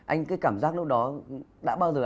anh cái cảm giác lúc đó đã bao giờ